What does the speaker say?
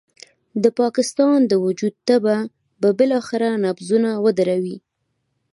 د پاکستان د وجود تبه به بالاخره نبضونه ودروي.